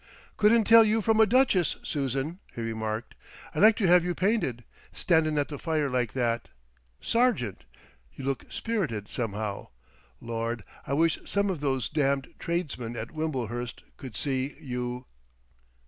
"Couldn't tell you from a duchess, Susan," he remarked. "I'd like to have you painted, standin' at the fire like that. Sargent! You look—spirited, somehow. Lord!—I wish some of those damned tradesmen at Wimblehurst could see you."...